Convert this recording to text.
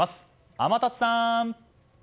天達さん。